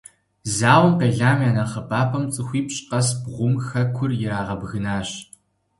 Зауэм къелам я нэхъыбапӀэм - цӀыхуипщӀ къэс бгъум - хэкур ирагъэбгынащ.